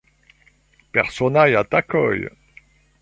Personaj atakoj.